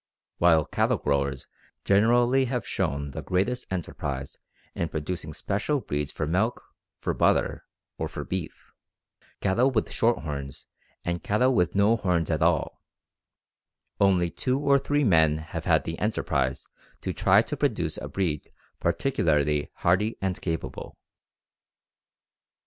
While cattle growers generally have shown the greatest enterprise in producing special breeds for milk, for butter, or for beef, cattle with short horns and cattle with no horns at all, only two or three men have had the enterprise to try to produce a breed particularly hardy and capable.